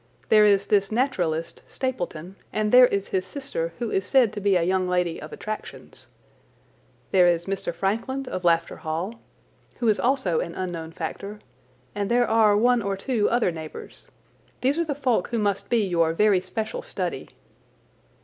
There is this naturalist, Stapleton, and there is his sister, who is said to be a young lady of attractions. There is Mr. Frankland, of Lafter Hall, who is also an unknown factor, and there are one or two other neighbours. These are the folk who must be your very special study."